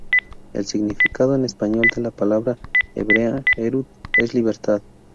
El significado en español de la palabra hebrea "Herut" es Libertad.